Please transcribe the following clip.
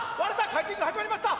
回転が始まりました！